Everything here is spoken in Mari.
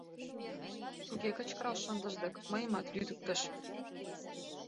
— Туге кычкырал шындыш дык, мыйымат лӱдыктыш.